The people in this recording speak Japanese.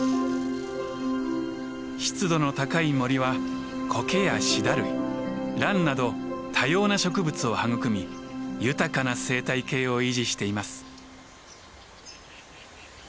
湿度の高い森はコケやシダ類ランなど多様な植物を育み豊かな生態系を維持しています。